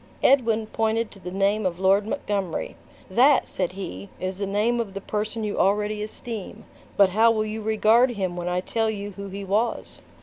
Edwin pointed to the name of Lord Montgomery. "That," said he, "is the name of the person you already esteem; but how will you regard him when I tell you who he was?"